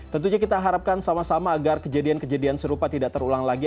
tentunya kita harapkan sama sama agar kejadian kejadian serupa tidak terulang lagi